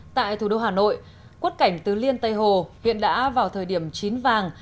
tại thủ đô hà nội quất cảnh tứ liên tây hồ hiện đã vào thời điểm chín vàng